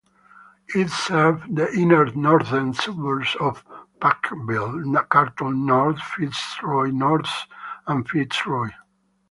It served the inner-northern suburbs of Parkville, Carlton North, Fitzroy North, and Fitzroy.